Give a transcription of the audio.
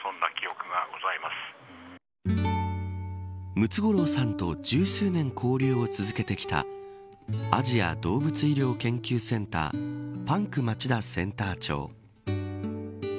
ムツゴロウさんと十数年交流を続けてきたアジア動物医療研究センターパンク町田センター長。